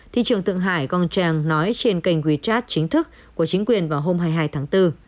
thị trưởng thượng hải gong cheng nói trên kênh wechat chính thức của chính quyền vào hôm hai mươi hai tháng bốn